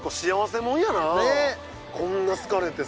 こんな好かれてさ。